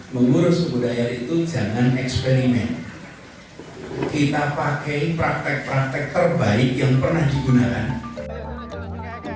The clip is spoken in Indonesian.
mengurus kebudayaan itu jangan eksperimen kita pakai praktek praktek terbaik yang pernah digunakan